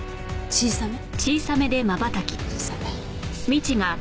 小さめ。